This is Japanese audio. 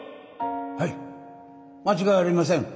はい間違いありません。